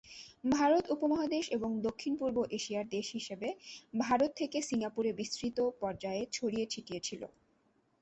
ভারত উপমহাদেশ এবং দক্ষিণ-পূর্ব এশিয়ার দেশ হিসেবে ভারত থেকে সিঙ্গাপুরে বিস্তৃত পর্যায়ে ছড়িয়ে-ছিটিয়ে ছিল।